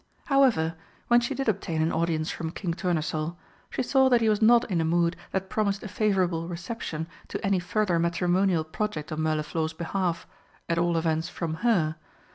However, when she did obtain an audience from King Tournesol, she saw that he was not in a mood that promised a favourable reception to any further matrimonial project on Mirliflor's behalf at all events from her.